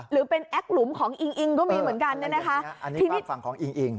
หรือเป็นแอคหลุมของอิงอิงก็มีเหมือนกันเนี่ยนะคะอันนี้ที่นี่ฝั่งของอิงอิง